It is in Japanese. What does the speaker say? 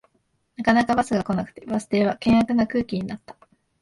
なかなかバスが来なくてバス停は険悪な空気になった